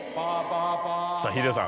さぁヒデさん